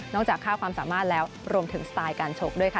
จากค่าความสามารถแล้วรวมถึงสไตล์การชกด้วยค่ะ